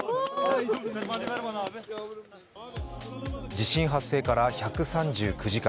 地震発生から１３９時間。